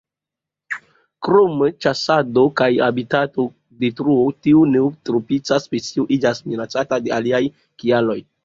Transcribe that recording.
Krom ĉasado kaj habitatodetruo, tiu neotropisa specio iĝas minacata de aliaj kialoj.